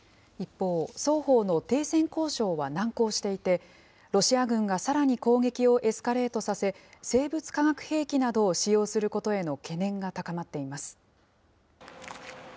一方、双方の停戦交渉は難航していて、ロシア軍がさらに攻撃をエスカレートさせ、生物・化学兵器などを使用することへの懸念が高まっています。